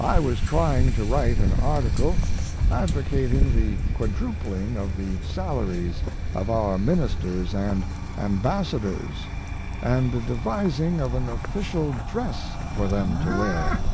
I was trying to write an article advocating the quadrupling of the salaries of our ministers & ambassadors, & the devising of an official dress for them to wear.